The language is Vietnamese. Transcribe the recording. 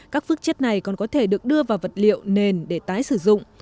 các phước chất này còn có thể được đưa vào vật liệu nền để tái sử dụng